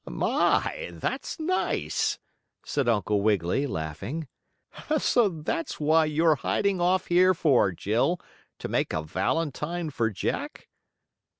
"My, that's nice!" said Uncle Wiggily, laughing. "So that's why you're hiding off here for, Jill, to make a valentine for Jack?"